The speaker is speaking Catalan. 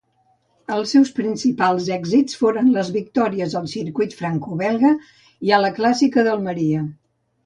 Els seus principals èxits foren les victòries al Circuit Franco-Belga i a la Clàssica d'Almeria.